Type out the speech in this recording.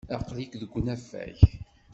Aql-ik deg unafag.